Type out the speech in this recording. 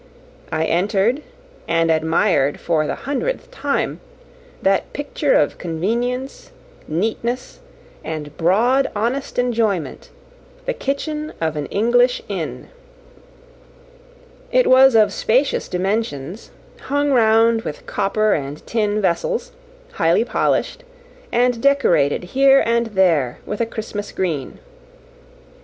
I entered, and admired, for the hundredth time, that picture of convenience, neatness, and broad, honest enjoyment, the kitchen of an English inn. It was of spacious dimensions, hung round with copper and tin vessels, highly polished, and decorated here and there with a Christmas green.